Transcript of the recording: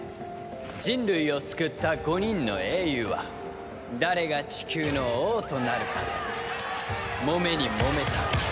人類を救った５人の英雄は誰がチキューの王となるかで揉めに揉めた。